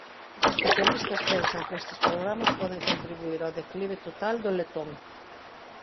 Algúns especialistas pensan que estes programas poden contribuír ao declive total do letón.